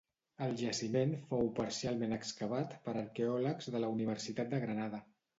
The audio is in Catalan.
El jaciment fou parcialment excavat per arqueòlegs de la Universitat de Granada.